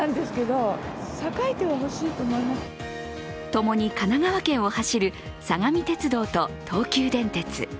ともに神奈川県を走る相模鉄道と東急電鉄。